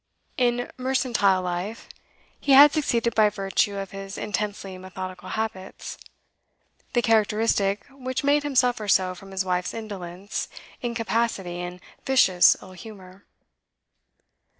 In mercantile life he had succeeded by virtue of his intensely methodical habits the characteristic which made him suffer so from his wife's indolence, incapacity, and vicious ill humour.